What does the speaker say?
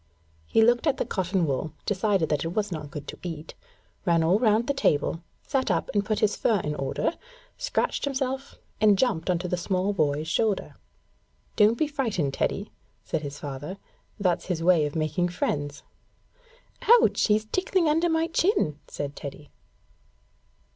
He looked at the cotton wool, decided that it was not good to eat, ran all round the table, sat up and put his fur in order, scratched himself, and jumped on the small boy's shoulder. 'Don't be frightened, Teddy,' said his father. 'That's his way of making friends.' 'Ouch! He's tickling under my chin,' said Teddy.